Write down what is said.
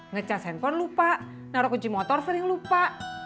ngecas handphone lupa naruh kunci motor sering lupa